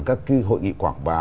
các hội nghị quảng bá